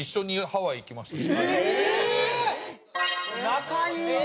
仲いい！